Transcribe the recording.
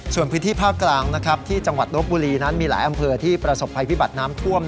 ส่วนพื้นที่ภาคกลางนะครับที่จังหวัดลบบุรีนั้นมีหลายอำเภอที่ประสบภัยพิบัติน้ำท่วม